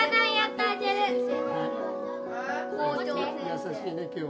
優しいね今日は。